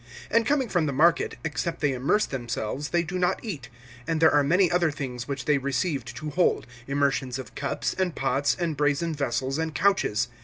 (4)And coming from the market, except they immerse themselves, they do not eat. And there are many other things which they received to hold, immersions of cups, and pots, and brazen vessels, and couches.